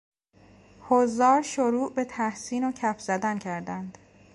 حضار شروع به تحسین و کف زدن کردند.